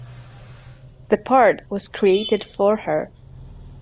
The part was created for her.